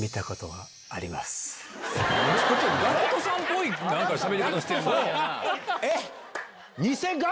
ＧＡＣＫＴさんっぽいしゃべり方してんな。